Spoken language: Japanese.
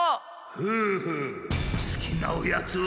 フーフーすきなおやつは？